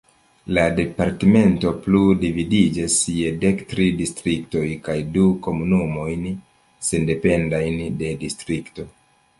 La departemento plu dividiĝas je dek tri distriktoj kaj du komunumojn sendependajn de distrikto.